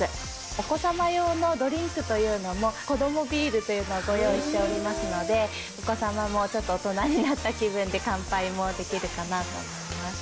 お子様用のドリンクというのも、子どもビールというのをご用意しておりますので、お子様もちょっと大人になった気分で、乾杯もできるかなと思いま